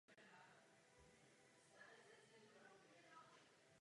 K vesnici náleží tří osady ležící mimo vlastní jádro vesnice.